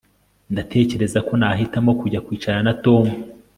Ndatekereza ko nahitamo kujya kwicarana na Tom